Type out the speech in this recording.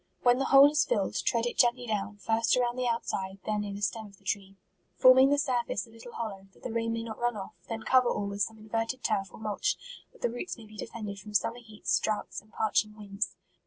When the hole is filled, tread it gently down, first around the outside, then near the stem of the tree, forming the surface a little hollow, that the rain may not run off; then cover all with some inverted turf or mulch, that the roots may be defended from summer heats, droughts, and parching winds.